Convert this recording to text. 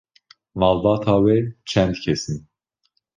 Malbata we çend kes in?